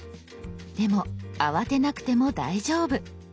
でも慌てなくても大丈夫。